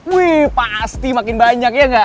wih pasti makin banyak ya gak